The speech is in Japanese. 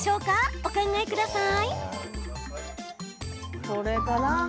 お考えください。